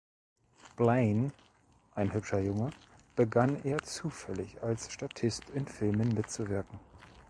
Blain, ein hübscher Junge, begann eher zufällig, als Statist in Filmen mitzuwirken.